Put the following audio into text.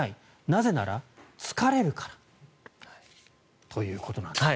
なぜなら、疲れるからということなんです。